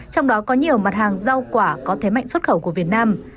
trong đó có nhiều mặt hàng rau quả có thế mạnh xuất khẩu của việt nam